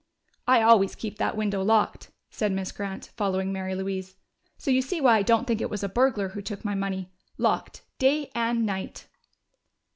"I always keep that window locked," said Miss Grant, following Mary Louise. "So you see why I don't think it was a burglar who took my money. Locked day and night!"